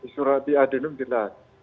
surat adedum jelas